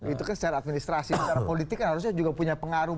itu kan secara administrasi secara politik kan harusnya juga punya pengaruh